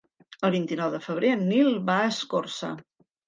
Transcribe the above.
El vint-i-nou de febrer en Nil va a Escorca.